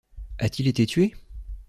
A-t-il été tué?...